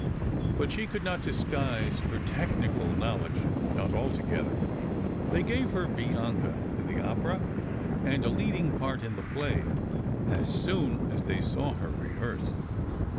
But she could not disguise her technical knowledge—not altogether. They gave her Bianca in the opera, and a leading part in the play, as soon as they saw her rehearse.